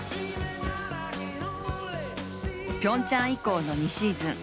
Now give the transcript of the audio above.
ピョンチャン以降の２シーズン。